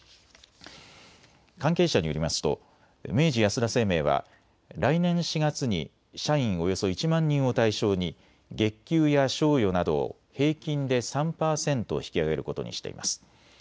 関係者によりますと明治安田生命は来年４月に社員およそ１万人を対象に月給や賞与などを平均で３％引き上げることにしています。